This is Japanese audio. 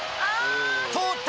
通った！